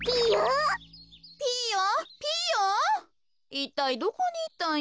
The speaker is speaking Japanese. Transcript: いったいどこにいったんや。